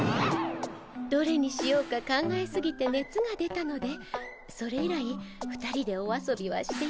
どれにしようか考えすぎてねつが出たのでそれ以来２人でお遊びはしていませんわ。